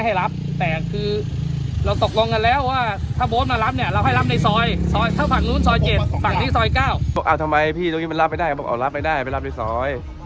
หลังงั้นผมก็จับไม่ได้เลย